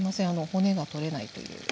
骨が取れないという。